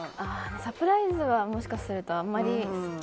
サプライズはもしかするとあまり。